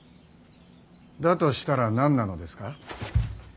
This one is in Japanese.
だとしたら何なのですか。